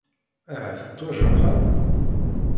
Ahat tettwajerḥeḍ?